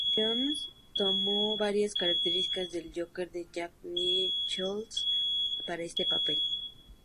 Jones tomo varias características del Joker de Jack Nicholson para este papel.